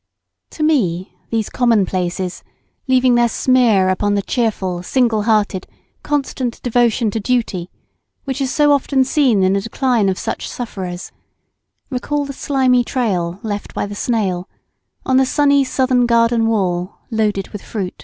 To me these commonplaces, leaving their smear upon the cheerful, single hearted, constant devotion to duty, which is so often seen in the decline of such sufferers, recall the slimy trail left by the snail on the sunny southern garden wall loaded with fruit.